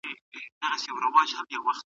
د پخوانيو پوهانو درناوی وکړئ.